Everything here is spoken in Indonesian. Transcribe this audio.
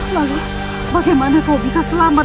lalu bagaimana kau bisa selamat